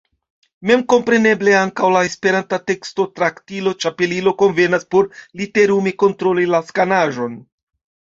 Memkompreneble ankaŭ la esperanta tekstotraktilo Ĉapelilo konvenas por literume kontroli la skanaĵon.